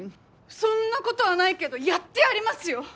そんなことはないけどやってやりますよ！